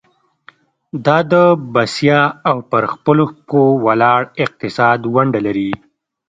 دا د بسیا او پر خپلو پخو ولاړ اقتصاد ونډه لري.